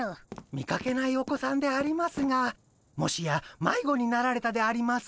見かけないお子さんでありますがもしやまいごになられたでありますか？